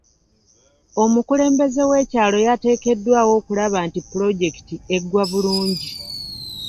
Omukulembeze w'ekyalo yateekeddwawo okulaba nti pulojekiti eggwa bulungi.